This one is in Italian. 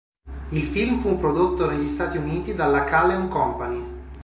Il film fu prodotto negli Stati Uniti dalla Kalem Company.